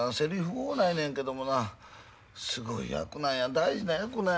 多ないねんけどもなすごい役なんや大事な役なんや。